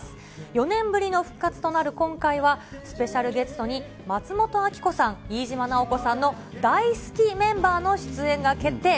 ４年ぶりの復活となる今回は、スペシャルゲストに松本明子さん、飯島直子さんのダイスキ！メンバーの出演が決定。